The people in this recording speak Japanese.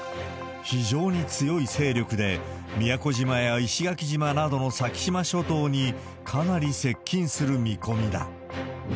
非常に強い勢力で、宮古島や石垣島などの先島諸島にかなり接近する見込みだ。